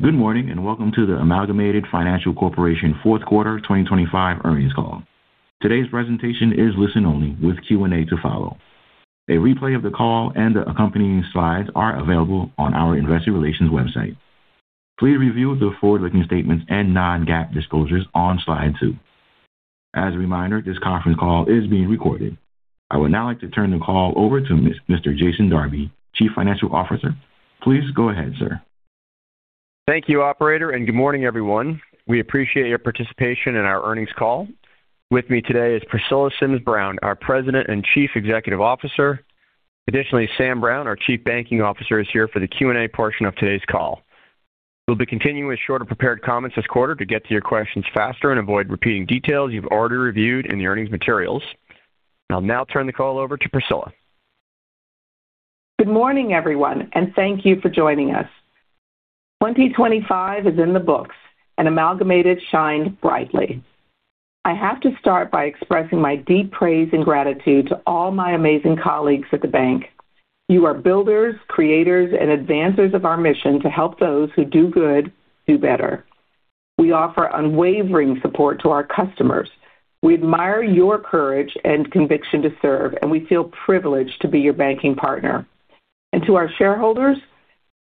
Good morning and welcome to the Amalgamated Financial Corporation Fourth Quarter 2025 earnings call. Today's presentation is listen-only with Q&A to follow. A replay of the call and the accompanying slides are available on our Investor Relations website. Please review the forward-looking statements and non-GAAP disclosures on slide two. As a reminder, this conference call is being recorded. I would now like to turn the call over to Mr. Jason Darby, Chief Financial Officer. Please go ahead, sir. Thank you, Operator, and good morning, everyone. We appreciate your participation in our earnings call. With me today is Priscilla Sims Brown, our President and Chief Executive Officer. Additionally, Sam Brown, our Chief Banking Officer, is here for the Q&A portion of today's call. We'll be continuing with shorter prepared comments this quarter to get to your questions faster and avoid repeating details you've already reviewed in the earnings materials. I'll now turn the call over to Priscilla. Good morning, everyone, and thank you for joining us. 2025 is in the books, and Amalgamated shined brightly. I have to start by expressing my deep praise and gratitude to all my amazing colleagues at the bank. You are builders, creators, and advancers of our mission to help those who do good do better. We offer unwavering support to our customers. We admire your courage and conviction to serve, and we feel privileged to be your banking partner, and to our shareholders,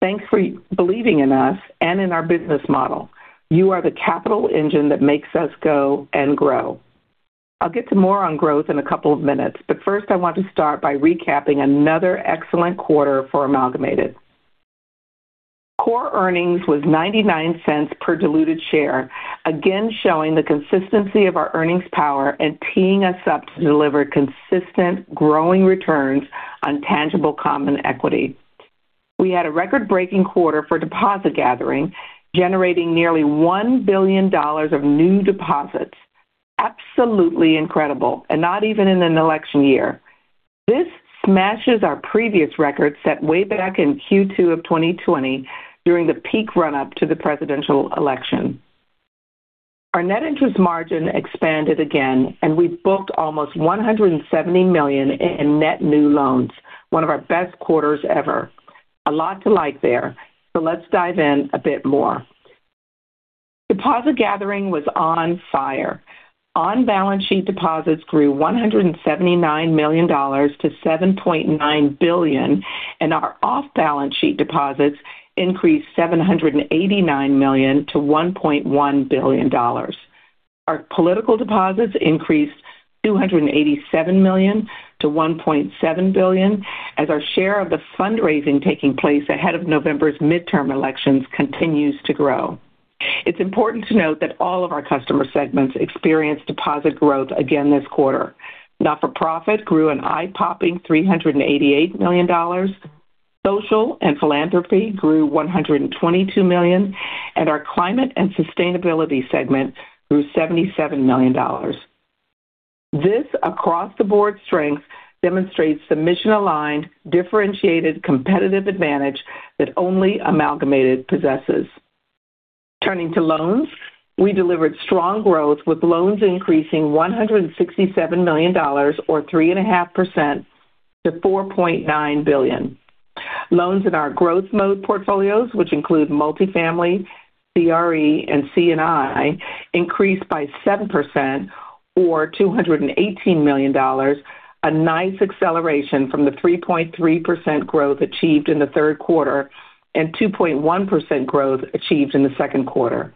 thanks for believing in us and in our business model. You are the capital engine that makes us go and grow. I'll get to more on growth in a couple of minutes, but first, I want to start by recapping another excellent quarter for Amalgamated. Core earnings was $0.99 per diluted share, again showing the consistency of our earnings power and teeing us up to deliver consistent, growing returns on tangible common equity. We had a record-breaking quarter for deposit gathering, generating nearly $1 billion of new deposits. Absolutely incredible, and not even in an election year. This smashes our previous record set way back in Q2 of 2020 during the peak run-up to the presidential election. Our net interest margin expanded again, and we booked almost $170 million in net new loans, one of our best quarters ever. A lot to like there, so let's dive in a bit more. Deposit gathering was on fire. On-balance sheet deposits grew $179 million-$7.9 billion, and our off-balance sheet deposits increased $789 million-$1.1 billion. Our political deposits increased $287 million-$1.7 billion, as our share of the fundraising taking place ahead of November's midterm elections continues to grow. It's important to note that all of our customer segments experienced deposit growth again this quarter. Not-for-profit grew an eye-popping $388 million, social and philanthropy grew $122 million, and our climate and sustainability segment grew $77 million. This across-the-board strength demonstrates the mission-aligned, differentiated competitive advantage that only Amalgamated possesses. Turning to loans, we delivered strong growth with loans increasing $167 million, or 3.5%, to $4.9 billion. Loans in our growth mode portfolios, which include multifamily, CRE, and C&I, increased by 7%, or $218 million, a nice acceleration from the 3.3% growth achieved in the third quarter and 2.1% growth achieved in the second quarter.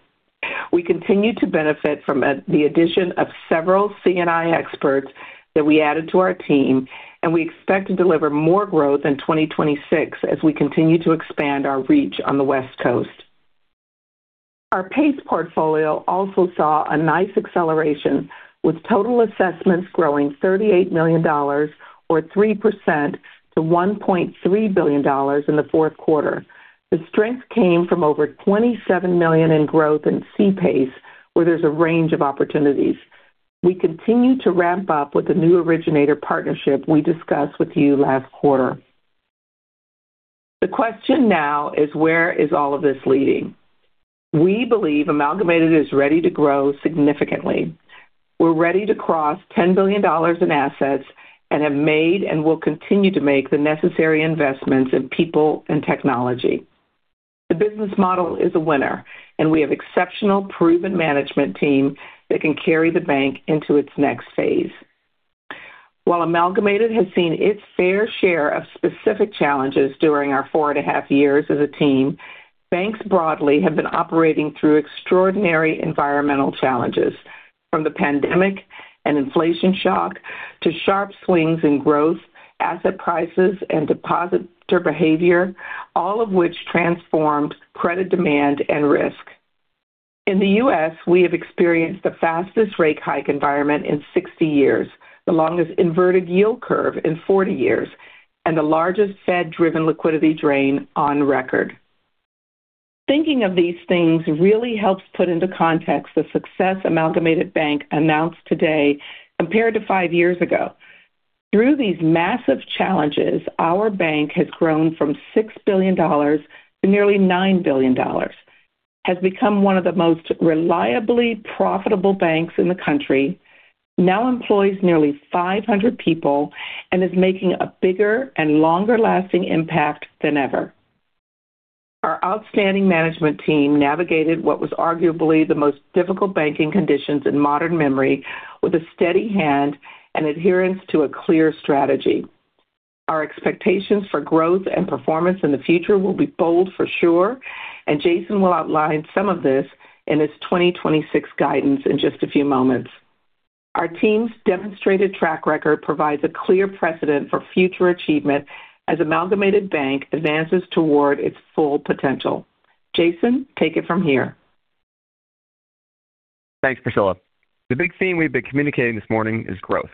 We continue to benefit from the addition of several C&I experts that we added to our team, and we expect to deliver more growth in 2026 as we continue to expand our reach on the West Coast. Our PACE portfolio also saw a nice acceleration, with total assessments growing $38 million, or 3%, to $1.3 billion in the fourth quarter. The strength came from over $27 million in growth in CPACE, where there's a range of opportunities. We continue to ramp up with the new originator partnership we discussed with you last quarter. The question now is, where is all of this leading? We believe Amalgamated is ready to grow significantly. We're ready to cross $10 billion in assets and have made and will continue to make the necessary investments in people and technology. The business model is a winner, and we have an exceptional, proven management team that can carry the bank into its next phase. While Amalgamated has seen its fair share of specific challenges during our four and a half years as a team, banks broadly have been operating through extraordinary environmental challenges, from the pandemic and inflation shock to sharp swings in growth, asset prices, and depositor behavior, all of which transformed credit demand and risk. In the U.S., we have experienced the fastest rate hike environment in 60 years, the longest inverted yield curve in 40 years, and the largest Fed-driven liquidity drain on record. Thinking of these things really helps put into context the success Amalgamated Bank announced today compared to five years ago. Through these massive challenges, our bank has grown from $6 billion to nearly $9 billion, has become one of the most reliably profitable banks in the country, now employs nearly 500 people, and is making a bigger and longer-lasting impact than ever. Our outstanding management team navigated what was arguably the most difficult banking conditions in modern memory with a steady hand and adherence to a clear strategy. Our expectations for growth and performance in the future will be bold, for sure, and Jason will outline some of this in his 2026 guidance in just a few moments. Our team's demonstrated track record provides a clear precedent for future achievement as Amalgamated Bank advances toward its full potential. Jason, take it from here. Thanks, Priscilla. The big theme we've been communicating this morning is growth.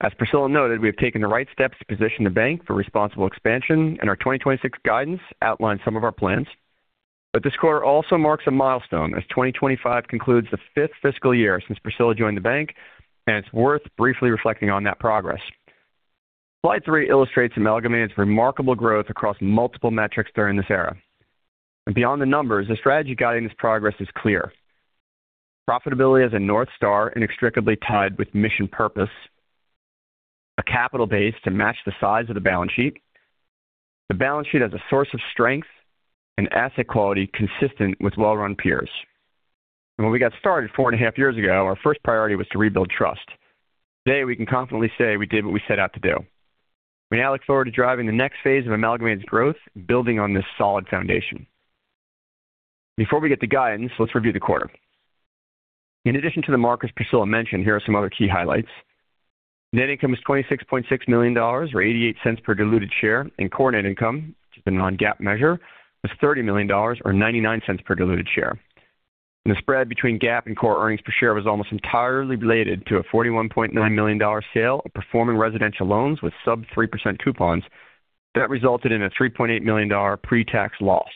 As Priscilla noted, we have taken the right steps to position the bank for responsible expansion, and our 2026 guidance outlines some of our plans. But this quarter also marks a milestone as 2025 concludes the fifth Fiscal Year since Priscilla joined the bank, and it's worth briefly reflecting on that progress. Slide three illustrates Amalgamated's remarkable growth across multiple metrics during this era. And beyond the numbers, the strategy guiding this progress is clear. Profitability as a North Star inextricably tied with mission purpose, a capital base to match the size of the balance sheet, the balance sheet as a source of strength, and asset quality consistent with well-run peers. And when we got started four and a half years ago, our first priority was to rebuild trust. Today, we can confidently say we did what we set out to do. We now look forward to driving the next phase of Amalgamated's growth, building on this solid foundation. Before we get to guidance, let's review the quarter. In addition to the markers Priscilla mentioned, here are some other key highlights. Net income was $26.6 million, or $0.88 per diluted share, and core net income, which is a non-GAAP measure, was $30 million, or $0.99 per diluted share, and the spread between GAAP and core earnings per share was almost entirely related to a $41.9 million sale of performing residential loans with sub-3% coupons that resulted in a $3.8 million pre-tax loss.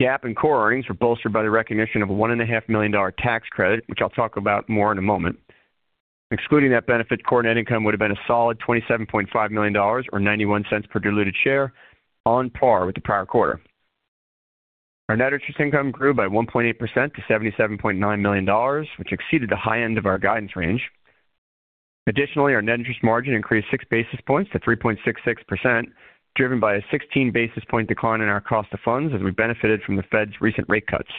GAAP and core earnings were bolstered by the recognition of a $1.5 million tax credit, which I'll talk about more in a moment. Excluding that benefit, core net income would have been a solid $27.5 million, or $0.91 per diluted share, on par with the prior quarter. Our net interest income grew by 1.8% to $77.9 million, which exceeded the high end of our guidance range. Additionally, our net interest margin increased six basis points to 3.66%, driven by a 16 basis points decline in our cost of funds as we benefited from the Fed's recent rate cuts.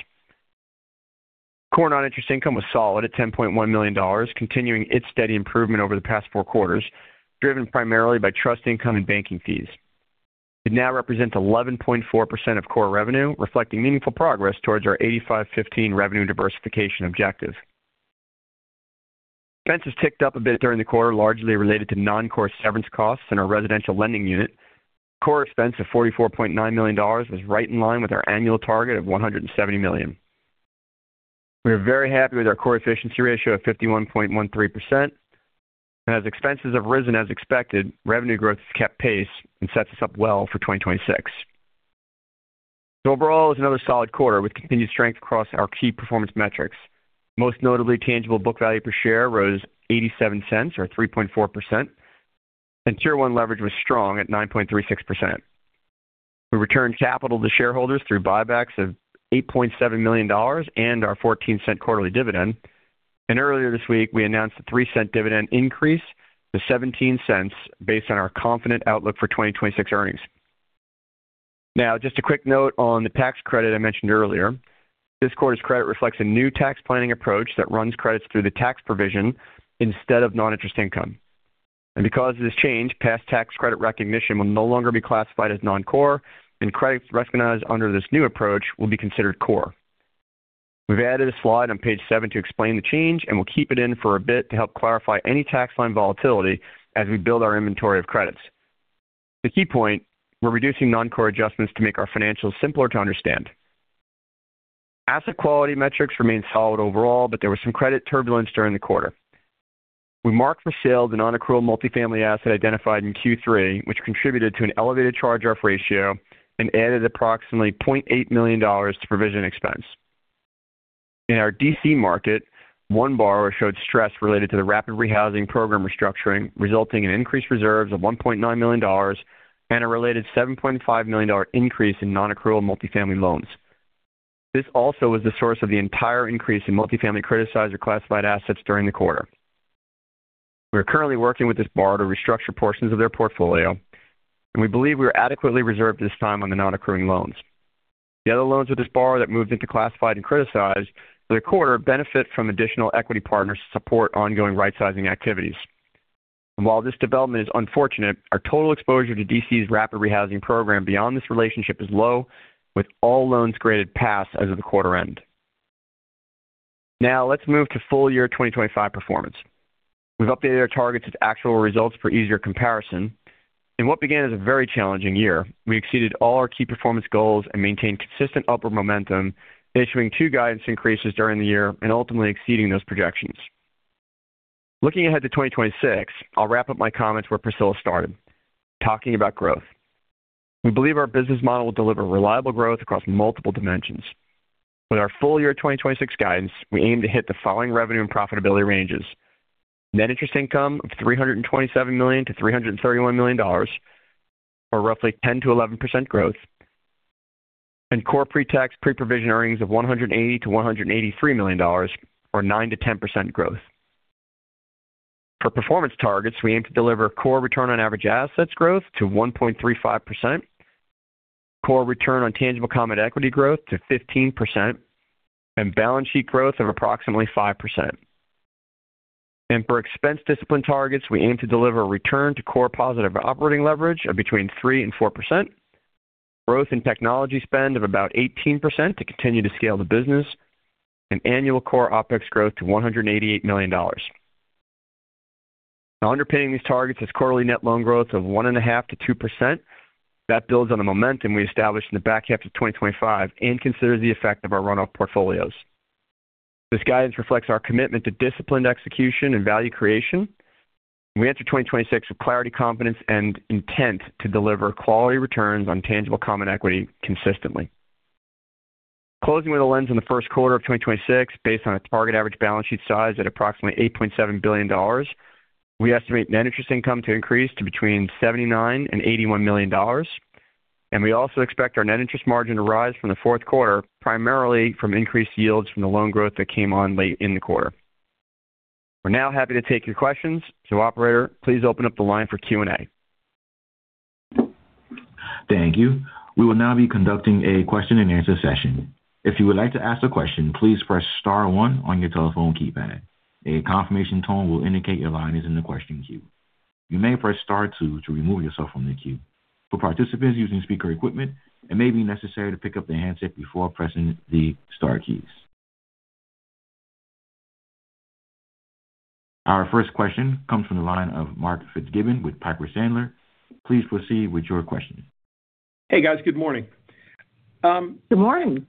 Core non-interest income was solid at $10.1 million, continuing its steady improvement over the past four quarters, driven primarily by trust income and banking fees. It now represents 11.4% of core revenue, reflecting meaningful progress towards our 85/15 revenue diversification objective. Expenses ticked up a bit during the quarter, largely related to non-core severance costs in our residential lending unit, but the core expense of $44.9 million was right in line with our annual target of $170 million. We are very happy with our core efficiency ratio of 51.13%. As expenses have risen as expected, revenue growth has kept pace and sets us up well for 2026. Overall, it was another solid quarter with continued strength across our key performance metrics. Most notably, tangible book value per share rose $0.87, or 3.4%, and tier one leverage was strong at 9.36%. We returned capital to shareholders through buybacks of $8.7 million and our $0.14 quarterly dividend, and earlier this week, we announced a $0.03 dividend increase to $0.17 based on our confident outlook for 2026 earnings. Now, just a quick note on the tax credit I mentioned earlier. This quarter's credit reflects a new tax planning approach that runs credits through the tax provision instead of non-interest income. Because of this change, past tax credit recognition will no longer be classified as non-core, and credits recognized under this new approach will be considered core. We've added a slide on page seven to explain the change, and we'll keep it in for a bit to help clarify any tax line volatility as we build our inventory of credits. The key point, we're reducing non-core adjustments to make our financials simpler to understand. Asset quality metrics remained solid overall, but there was some credit turbulence during the quarter. We marked for sale a non-accrual multifamily asset identified in Q3, which contributed to an elevated charge-off ratio and added approximately $0.8 million to provision expense. In our DC market, one borrower showed stress related to the Rapid Rehousing Program restructuring, resulting in increased reserves of $1.9 million and a related $7.5 million increase in non-accrual multifamily loans. This also was the source of the entire increase in multifamily criticized or classified assets during the quarter. We're currently working with this borrower to restructure portions of their portfolio, and we believe we are adequately reserved this time on the non-accruing loans. The other loans with this borrower that moved into classified and criticized for the quarter benefit from additional equity partners to support ongoing rightsizing activities, and while this development is unfortunate, our total exposure to DC's Rapid Rehousing Program beyond this relationship is low, with all loans graded pass as of the quarter end. Now, let's move to full year 2025 performance. We've updated our targets to actual results for easier comparison. In what began as a very challenging year, we exceeded all our key performance goals and maintained consistent upward momentum, issuing two guidance increases during the year and ultimately exceeding those projections. Looking ahead to 2026, I'll wrap up my comments where Priscilla started, talking about growth. We believe our business model will deliver reliable growth across multiple dimensions. With our full year 2026 guidance, we aim to hit the following revenue and profitability ranges: net interest income of $327 million-$331 million, or roughly 10%-11% growth, and core pre-tax, pre-provision earnings of $180 millio-$183 million, or 9%-10% growth. For performance targets, we aim to deliver core return on average assets growth to 1.35%, core return on tangible common equity growth to 15%, and balance sheet growth of approximately 5%. For expense discipline targets, we aim to deliver a return to core positive operating leverage of between 3% and 4%, growth in technology spend of about 18% to continue to scale the business, and annual core OpEx growth to $188 million. Underpinning these targets is quarterly net loan growth of 1.5%-2%. That builds on the momentum we established in the back half of 2025 and considers the effect of our runoff portfolios. This guidance reflects our commitment to disciplined execution and value creation. We enter 2026 with clarity, confidence, and intent to deliver quality returns on tangible common equity consistently. Closing with a lens on the first quarter of 2026, based on a target average balance sheet size at approximately $8.7 billion, we estimate net interest income to increase to between $79 million and $81 million. And we also expect our net interest margin to rise from the fourth quarter, primarily from increased yields from the loan growth that came on late in the quarter. We're now happy to take your questions. So, operator, please open up the line for Q&A. Thank you. We will now be conducting a question-and-answer session. If you would like to ask a question, please press Star one on your telephone keypad. A confirmation tone will indicate your line is in the question queue. You may press Star two to remove yourself from the queue. For participants using speaker equipment, it may be necessary to pick up the handset before pressing the Star keys. Our first question comes from the line of Mark Fitzgibbon with Piper Sandler. Please proceed with your question. Hey, guys. Good morning. Good morning.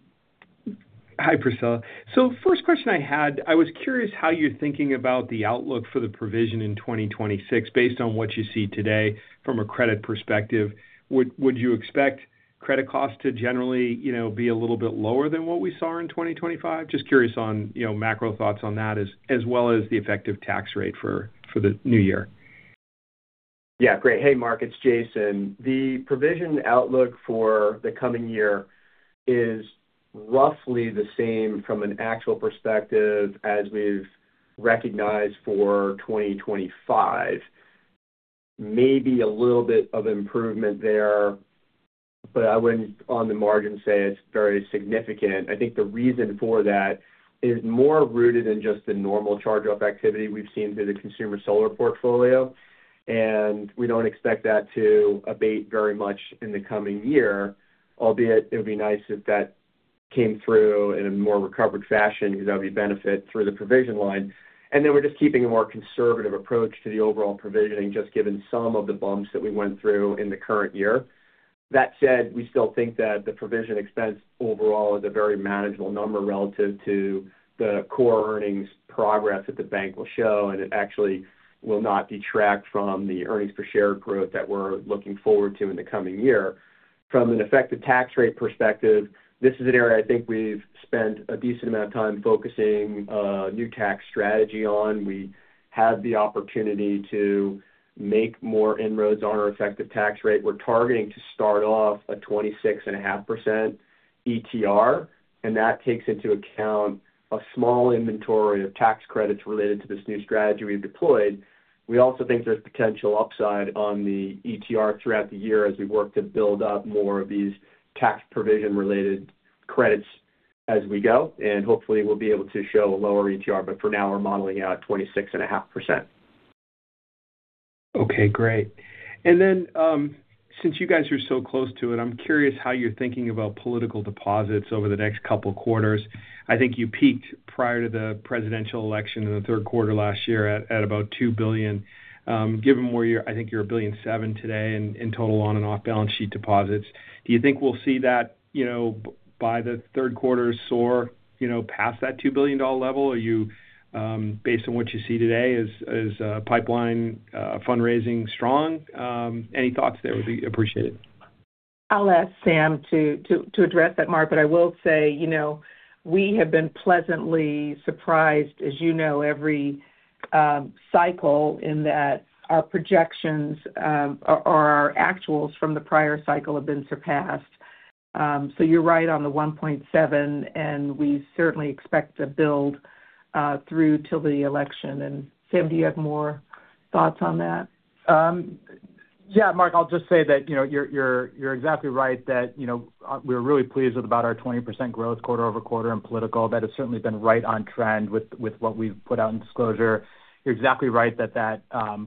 Hi, Priscilla. So, first question I had, I was curious how you're thinking about the outlook for the provision in 2026 based on what you see today from a credit perspective. Would you expect credit costs to generally be a little bit lower than what we saw in 2025? Just curious on macro thoughts on that, as well as the effective tax rate for the new year. Yeah, great. Hey, Mark. It's Jason. The provision outlook for the coming year is roughly the same from an actual perspective as we've recognized for 2025. Maybe a little bit of improvement there, but I wouldn't, on the margin, say it's very significant. I think the reason for that is more rooted in just the normal charge-off activity we've seen through the consumer solar portfolio, and we don't expect that to abate very much in the coming year, albeit it would be nice if that came through in a more recovered fashion because that would be a benefit through the provision line. And then we're just keeping a more conservative approach to the overall provisioning, just given some of the bumps that we went through in the current year. That said, we still think that the provision expense overall is a very manageable number relative to the core earnings progress that the bank will show, and it actually will not detract from the earnings per share growth that we're looking forward to in the coming year. From an effective tax rate perspective, this is an area I think we've spent a decent amount of time focusing a new tax strategy on. We have the opportunity to make more inroads on our effective tax rate. We're targeting to start off a 26.5% ETR, and that takes into account a small inventory of tax credits related to this new strategy we've deployed. We also think there's potential upside on the ETR throughout the year as we work to build up more of these tax provision-related credits as we go, and hopefully we'll be able to show a lower ETR, but for now, we're modeling out 26.5%. Okay, great. And then, since you guys are so close to it, I'm curious how you're thinking about political deposits over the next couple of quarters. I think you peaked prior to the presidential election in the third quarter last year at about $2 billion. Given where I think you're $1.7 billion today in total on-and-off balance sheet deposits, do you think we'll see that by the third quarter soar past that $2 billion level? Are you, based on what you see today, is pipeline fundraising strong? Any thoughts there would be appreciated. I'll ask Sam to address that, Mark, but I will say we have been pleasantly surprised, as you know, every cycle in that our projections or our actuals from the prior cycle have been surpassed. So you're right on the 1.7, and we certainly expect to build through to the election. And Sam, do you have more thoughts on that? Yeah, Mark, I'll just say that you're exactly right that we're really pleased about our 20% growth quarter over quarter in political. That has certainly been right on trend with what we've put out in disclosure. You're exactly right that that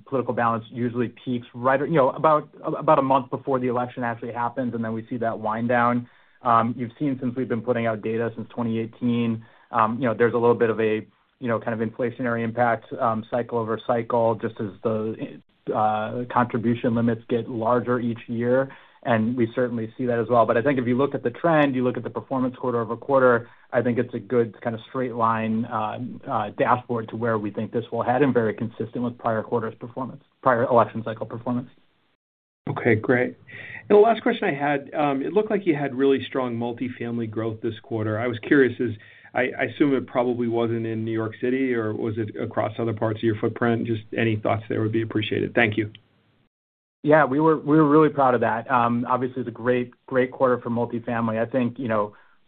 political balance usually peaks right about a month before the election actually happens, and then we see that wind down. You've seen since we've been putting out data since 2018, there's a little bit of a kind of inflationary impact cycle over cycle just as the contribution limits get larger each year, and we certainly see that as well. But I think if you look at the trend, you look at the performance quarter over quarter, I think it's a good kind of straight line dashboard to where we think this will head and very consistent with prior quarter's performance, prior election cycle performance. Okay, great. And the last question I had, it looked like you had really strong multifamily growth this quarter. I was curious, I assume it probably wasn't in New York City, or was it across other parts of your footprint? Just any thoughts there would be appreciated. Thank you. Yeah, we were really proud of that. Obviously, it's a great, great quarter for multifamily. I think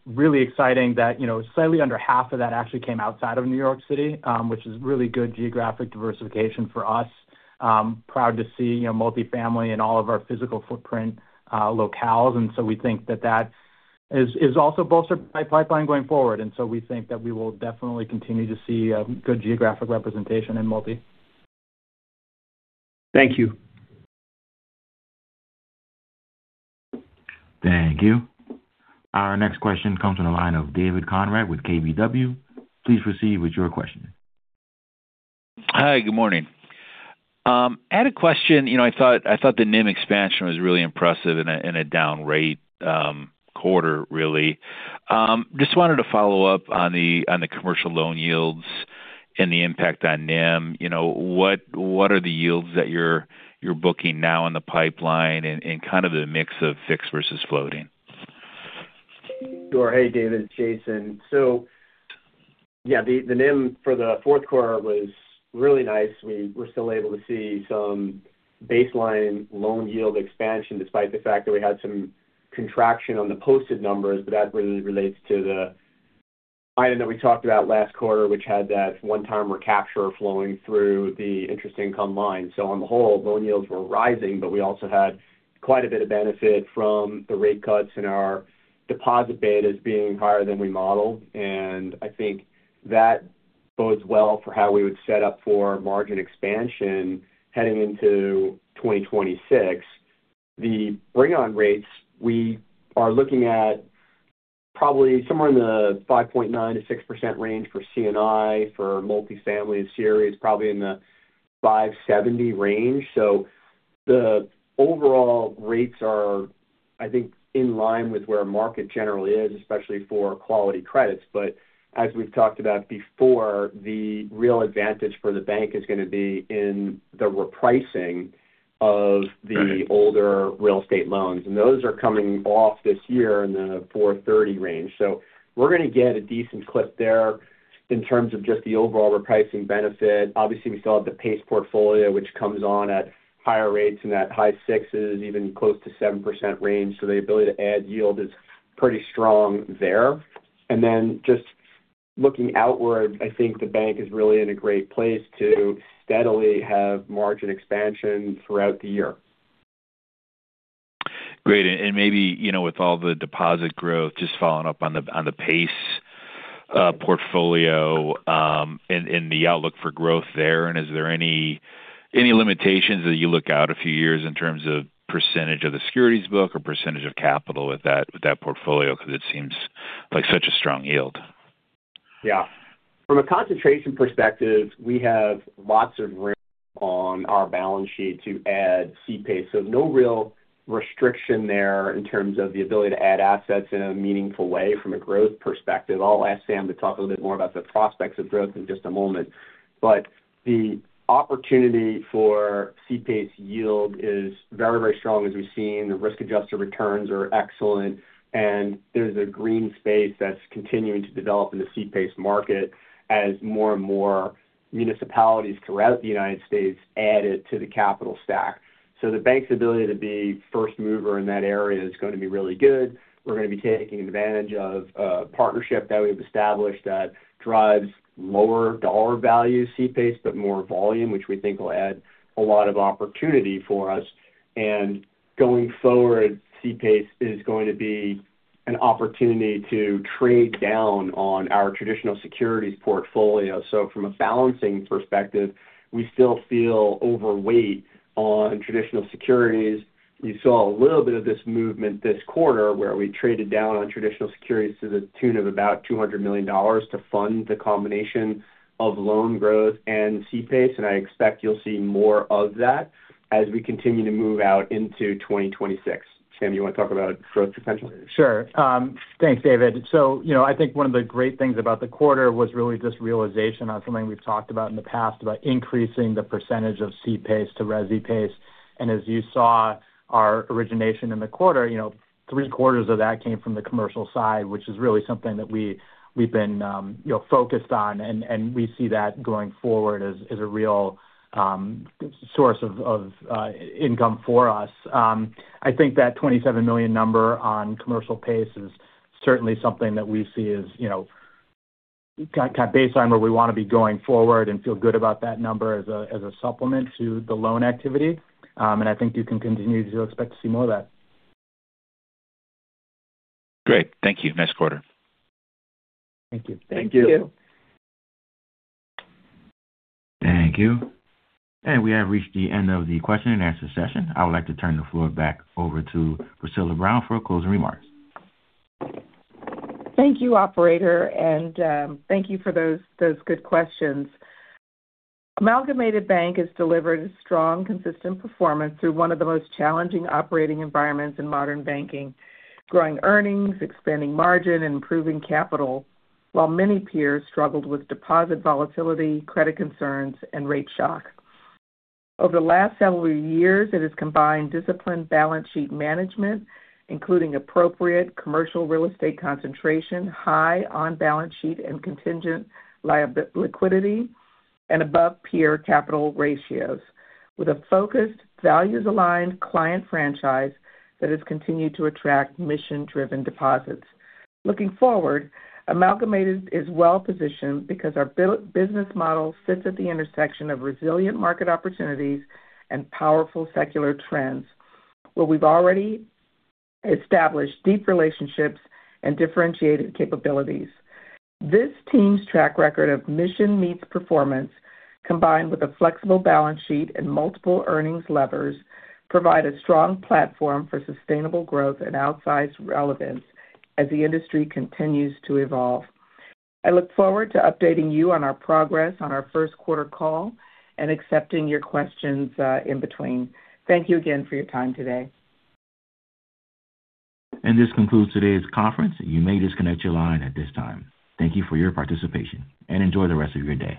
really exciting that slightly under half of that actually came outside of New York City, which is really good geographic diversification for us. Proud to see multifamily in all of our physical footprint locales. And so we think that that is also bolstered by pipeline going forward. And so we think that we will definitely continue to see good geographic representation in multifamily. Thank you. Thank you. Our next question comes from the line of David Conrad with KBW. Please proceed with your question. Hi, good morning. I had a question. I thought the NIM expansion was really impressive in a down rate quarter, really. Just wanted to follow up on the commercial loan yields and the impact on NIM. What are the yields that you're booking now in the pipeline and kind of the mix of fixed versus floating? Sure. Hey, David, it's Jason. So yeah, the NIM for the fourth quarter was really nice. We were still able to see some baseline loan yield expansion despite the fact that we had some contraction on the posted numbers, but that really relates to the item that we talked about last quarter, which had that one-timer capture flowing through the interest income line. So on the whole, loan yields were rising, but we also had quite a bit of benefit from the rate cuts and our deposit band as being higher than we modeled. And I think that bodes well for how we would set up for margin expansion heading into 2026. The bring-on rates, we are looking at probably somewhere in the 5.9%-6% range for C&I for multifamily CREs, probably in the 5.70% range. So the overall rates are, I think, in line with where market generally is, especially for quality credits. But as we've talked about before, the real advantage for the bank is going to be in the repricing of the older real estate loans, and those are coming off this year in the 430 range. So we're going to get a decent clip there in terms of just the overall repricing benefit. Obviously, we still have the PACE portfolio, which comes on at higher rates in that high sixes, even close to 7% range. So the ability to add yield is pretty strong there. And then just looking outward, I think the bank is really in a great place to steadily have margin expansion throughout the year. Great. And maybe with all the deposit growth, just following up on the PACE portfolio and the outlook for growth there, and is there any limitations that you look out a few years in terms of percentage of the securities book or percentage of capital with that portfolio because it seems like such a strong yield? Yeah. From a concentration perspective, we have lots of room on our balance sheet to add CPACE. So no real restriction there in terms of the ability to add assets in a meaningful way from a growth perspective. I'll ask Sam to talk a little bit more about the prospects of growth in just a moment. But the opportunity for CPACE yield is very, very strong as we've seen. The risk-adjusted returns are excellent, and there's a green space that's continuing to develop in the CPACE market as more and more municipalities throughout the United States add it to the capital stack. So the bank's ability to be first mover in that area is going to be really good. We're going to be taking advantage of a partnership that we have established that drives lower dollar value CPACE, but more volume, which we think will add a lot of opportunity for us, and going forward, CPACE is going to be an opportunity to trade down on our traditional securities portfolio, so from a balancing perspective, we still feel overweight on traditional securities. You saw a little bit of this movement this quarter where we traded down on traditional securities to the tune of about $200 million to fund the combination of loan growth and CPACE, and I expect you'll see more of that as we continue to move out into 2026. Sam, you want to talk about growth potential? Sure. Thanks, David. So, I think one of the great things about the quarter was really this realization on something we've talked about in the past about increasing the percentage of CPACE to Resi PACE, and as you saw our origination in the quarter, three quarters of that came from the commercial side, which is really something that we've been focused on, and we see that going forward as a real source of income for us. I think that $27 million number on commercial PACE is certainly something that we see as kind of baseline where we want to be going forward and feel good about that number as a supplement to the loan activity, and I think you can continue to expect to see more of that. Great. Thank you. Next quarter. Thank you. Thank you. Thank you. Thank you. And we have reached the end of the question-and-answer session. I would like to turn the floor back over to Priscilla Brown for closing remarks. Thank you, operator, and thank you for those good questions. Amalgamated Bank has delivered a strong, consistent performance through one of the most challenging operating environments in modern banking, growing earnings, expanding margin, and improving capital, while many peers struggled with deposit volatility, credit concerns, and rate shock. Over the last several years, it has combined disciplined balance sheet management, including appropriate commercial real estate concentration, high on-balance sheet and contingent liquidity, and above-peer capital ratios, with a focused, values-aligned client franchise that has continued to attract mission-driven deposits. Looking forward, Amalgamated is well-positioned because our business model sits at the intersection of resilient market opportunities and powerful secular trends, where we've already established deep relationships and differentiated capabilities. This team's track record of mission-meets-performance, combined with a flexible balance sheet and multiple earnings levers, provides a strong platform for sustainable growth and outsized relevance as the industry continues to evolve. I look forward to updating you on our progress on our first quarter call and accepting your questions in between. Thank you again for your time today. And this concludes today's conference. You may disconnect your line at this time. Thank you for your participation and enjoy the rest of your day.